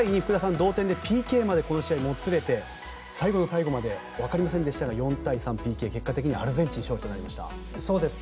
同点でＰＫまでもつれて最後の最後までわかりませんでしたが４対３、ＰＫで結果的にはアルゼンチン勝利となりました。